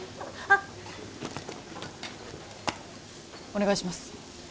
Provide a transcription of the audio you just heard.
あっお願いします